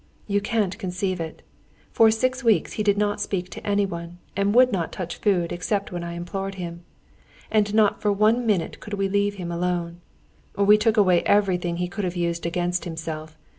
"You can't conceive it! For six weeks he did not speak to anyone, and would not touch food except when I implored him. And not for one minute could we leave him alone. We took away everything he could have used against himself.